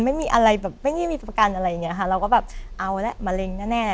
ไม่มีอะไรแบบไม่มีประกันอะไรอย่างนี้ค่ะเราก็แบบเอาละมะเร็งแน่